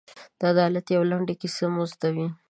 د عدالت یوه لنډه کیسه مو زده وي.